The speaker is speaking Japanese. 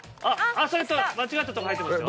それ間違ったとこ入ってますよ。